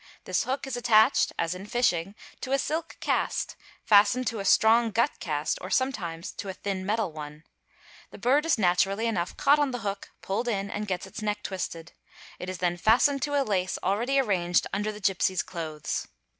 'This hook is attached (as in fishing) to a silk cast fastened to a strong gut cast or sometimes to a thin metal one; the bird is naturally enough caught on the hook, pulled in, and gets its neck twisted; it is then fastened to a lace already arranged under the gipsy's clothes.